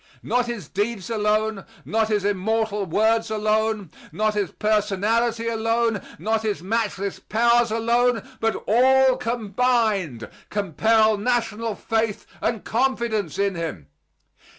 Not his deeds alone, not his immortal words alone, not his personality alone, not his matchless powers alone, but all combined compel national faith and confidence in him.